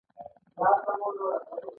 کلی کوچنی دی.